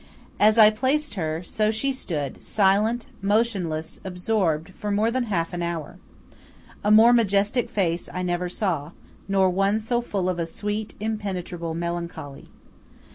As I placed her, so she stood, silent, motionless, absorbed, for more than half an hour. A more majestic face I never saw, nor one so full of a sweet, impenetrable melancholy.